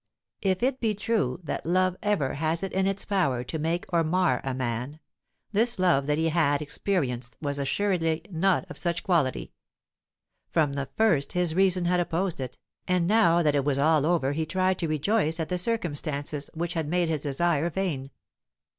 If it be true that love ever has it in its power to make or mar a man, this love that he had experienced was assuredly not of such quality. From the first his reason had opposed it, and now that it was all over he tried to rejoice at the circumstances which had made his desire vain.